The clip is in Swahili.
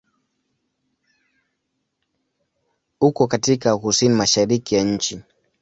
Uko katika kusini-mashariki ya nchi.